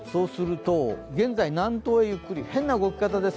現在、南東へゆっくり、変な動き方です。